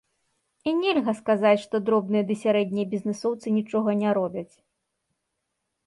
І нельга сказаць, што дробныя ды сярэднія бізнэсоўцы нічога не робяць.